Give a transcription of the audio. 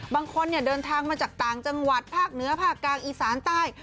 บางคนเดินทางมาจากต่างจังหวัดภาคเหนือภาคกลางอีสานใต้